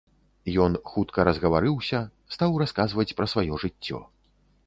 Ён хутка разгаварыўся, стаў расказваць пра сваё жыццё.